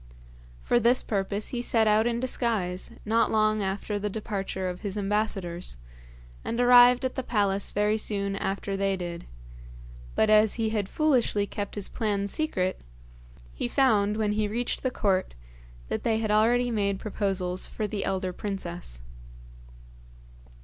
For this purpose he set out in disguise not long after the departure of his ambassadors, and arrived at the palace very soon after they did; but as he had foolishly kept his plan secret, he found, when he reached the court, that they had already made proposals for the elder princess.